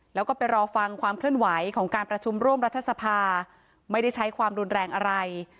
แล้วก็ไปรอฟังความเคลื่อนไหวของการประชุมร่วมรัฐสภาไม่ได้ใช้ความรุนแรงอะไร